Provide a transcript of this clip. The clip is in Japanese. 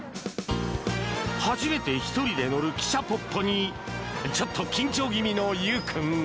初めて１人で乗る汽車ぽっぽにちょっと緊張気味のゆう君。